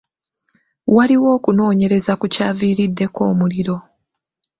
Waliwo okunoonyereza ku kyaviiriddeko omuliro.